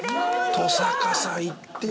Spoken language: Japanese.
登坂さんいってよ。